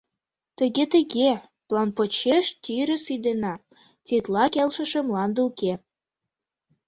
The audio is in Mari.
Тыге-тыге, план почеш тӱрыс ӱденна, тетла келшыше мланде уке.